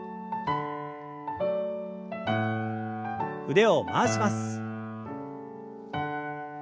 腕を回します。